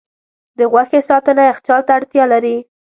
د غوښې ساتنه یخچال ته اړتیا لري.